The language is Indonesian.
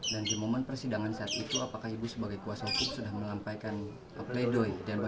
dan di momen persidangan saat itu apakah ibu sebagai kuasa hukum sudah melampaikan apleidoy